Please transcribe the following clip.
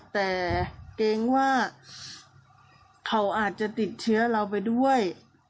แต่เกรงว่าเขาอาจจะติดเชื้อเราไปด้วย